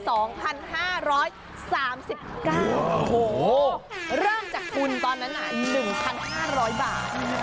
โอ้โหเริ่มจากคุณตอนนั้นน่ะ๑๕๐๐บาท